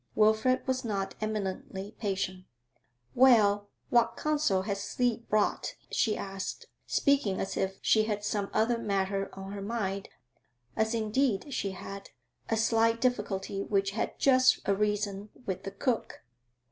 Wilfrid was not eminently patient. 'Well, what counsel has sleep brought?' she asked, speaking as if she had some other matter on her mind as indeed she had a slight difficulty which had just arisen with the cook.